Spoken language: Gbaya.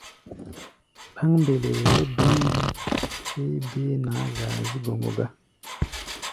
Ɗáŋ mbɛlɛ-wɛlɛ béé-wí héé béé naá-gaazígɔŋgɔ gá.